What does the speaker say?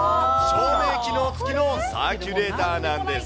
照明機能つきのサーキュレーターなんです。